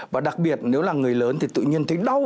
và đặc biệt nếu là người lớn thì tự nhiên thấy đau